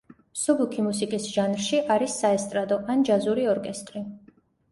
მსუბუქი მუსიკის ჟანრში არის საესტრადო ან ჯაზური ორკესტრი.